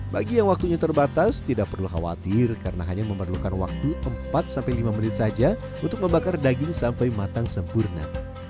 bagi yang waktunya terbatas tidak perlu khawatir karena hanya memerlukan waktu empat sampai lima menit saja untuk membakar daging sampai matang sempurna